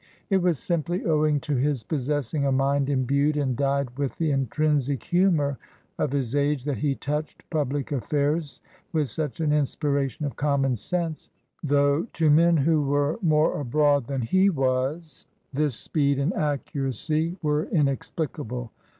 It was simply owing to his possessing a mind imbued and dyed with the intrinsic humour of his age that he touched public affairs with such an inspiration of common sense, though to men who were more " abroad" than he was this speed and accuracy were inexplicable.